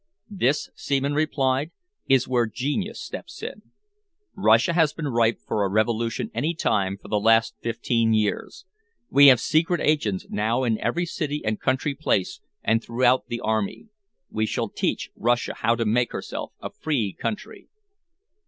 "This," Seaman replied, "is where genius steps in. Russia has been ripe for a revolution any time for the last fifteen years. We have secret agents now in every city and country place and throughout the army. We shall teach Russia how to make herself a free country."